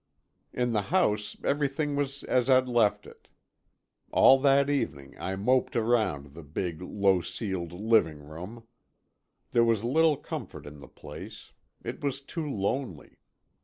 In the house everything was as I'd left it. All that evening I moped around the big, low ceiled living room. There was little comfort in the place; it was too lonely.